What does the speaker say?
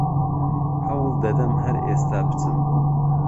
هەوڵ دەدەم هەر ئێستا بچم